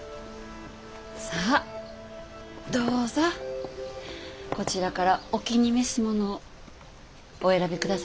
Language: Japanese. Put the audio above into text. さあどうぞこちらからお気に召すものをお選び下さいませ。